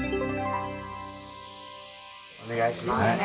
お願いします。